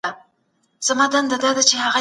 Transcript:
تاسي ولي داسي غلي یاست خبري وکړئ.